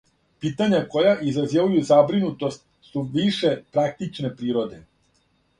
Питања која изазивају забринутост су више практичне природе.